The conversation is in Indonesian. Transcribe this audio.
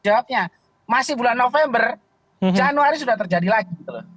jawabnya masih bulan november januari sudah terjadi lagi